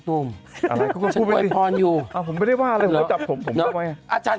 อุ๊ยเร็วมาก